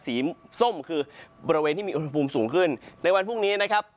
สีส้มคือบริเวณที่มีอุณหภูมิสูงขึ้นในวันพรุ่งนี้นะครับ